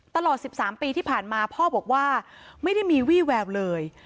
ตลอด๑๓ปีที่ผ่านมาพ่อบอกว่าไม่ได้มีวี่แววเลย